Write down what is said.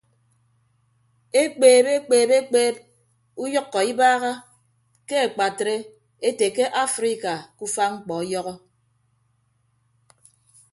Ekpeeb ekpeeb ekpeeb uyʌkkọ ibaaha ke akpatre ete ke afrika ke ufa mkpọ ọyọhọ.